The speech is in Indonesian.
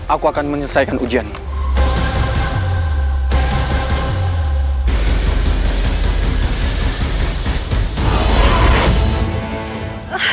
aku akan menyelesaikan ujianmu